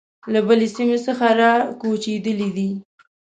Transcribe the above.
له بلې سیمې څخه را کوچېدلي دي.